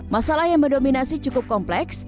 masalah yang mendominasi cukup kompleks